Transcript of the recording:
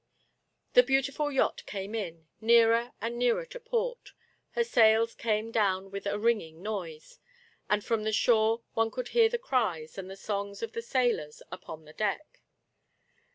The beautiful yacht came in, nearer and nearer to port — her sails came down with a ringing noise, and from the shore one could hear the cries and the songs of the sailors upon the deck.